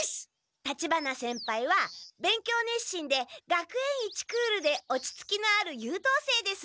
立花先輩は勉強熱心で学園一クールで落ち着きのある優等生です。